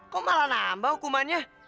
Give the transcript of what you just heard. kok malah nambah hukumannya